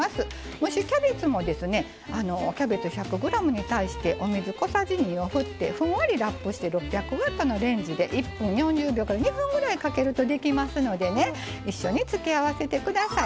蒸しキャベツもキャベツ１００ｇに対してお水小さじ２を振ってふんわりラップして６００ワットのレンジで１分４０秒から２分ぐらいかけると、できますので、一緒に付け合わせてください。